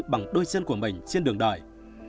bằng đôi chân của mình trên đường đời